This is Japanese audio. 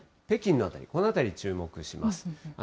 北京の辺り、この辺り注目します。